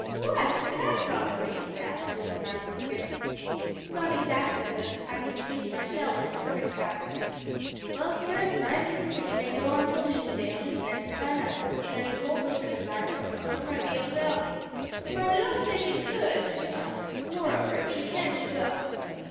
"What! in that toggery?" asked the little man, with a grin. "Not exactly, Zook, I can change my shell like the hermit crabs." "Well, sir, it's my opinion that you may go on till doomsday on this scent an' find nuthin'; but there's a old 'ooman as I knows on that might be able to 'elp you. Mind I don't say she could, but she might. Moreover, if she can she will."